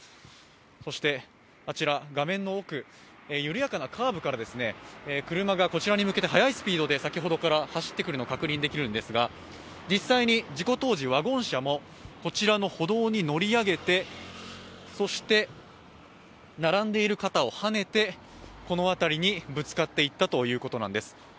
そして画面の奥、緩やかなカーブから車がこちらに向けて速いスピードでこちらに走ってくるのが確認できるんですが、実際に事故当時ワゴン車もこちらの歩道に乗り上げて、そして並んでいる方をはねて、この辺りにぶつかっていったということなんです。